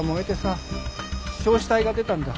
焼死体が出たんだ。